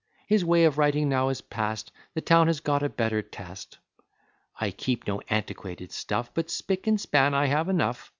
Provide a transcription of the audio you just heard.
His way of writing now is past; The town has got a better taste; I keep no antiquated stuff, But spick and span I have enough.